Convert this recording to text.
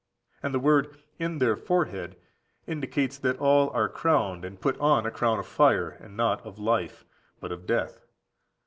And the word—"in their forehead"—indicates that all are crowned, and put on a crown of fire, and not of life, but of death.